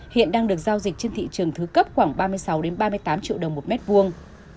hiện đang được giao dịch trên thị trường thứ cấp khoảng ba mươi sáu ba mươi tám triệu đồng một mét vuông